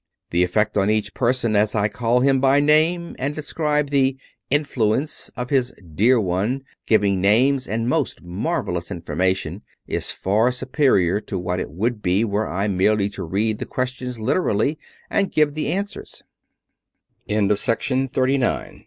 The effect on each person, as I call him by name and describe the " influence " of his " dear one," giving names and most marvelous information, is far superior to what it would be were I merely to read the questions literally, and give the answer